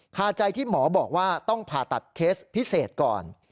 คาใจที่หมอบอกว่าต้องผ่าตัดเคสพิเศษก่อน